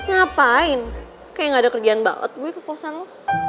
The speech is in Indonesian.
ngapain kayak ga ada kerjaan banget gue ke kosan lo